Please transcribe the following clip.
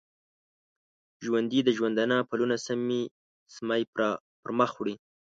ژوندي د ژوندانه پلونه سمی پرمخ وړي